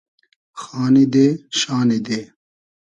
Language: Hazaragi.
خانی دې شانی دې